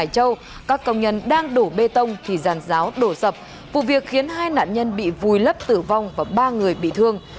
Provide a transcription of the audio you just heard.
các công nhân đang đổ bê tông thì giàn giáo đổ sập vụ việc khiến hai nạn nhân bị vùi lấp tử vong và ba người bị thương